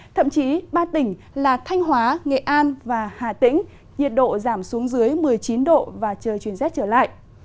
thậm chí ba tỉnh là thanh hóa nghệ an và hà tĩnh nhiệt độ giảm xuống dưới một mươi chín độ và trời chuyển rét trở lại